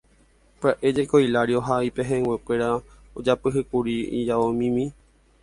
Pya'e jeko Hilario ha ipehẽnguekuéra ojapyhýkuri ijaomimi.